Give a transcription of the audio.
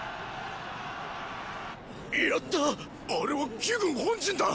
やったあれは魏軍本陣だ！